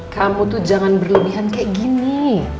kamu tuh jangan berlebihan kayak gini